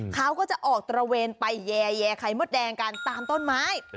เขาก็จะออกตระเวนไปแย่ไข่มดแดงกันตามต้นไม้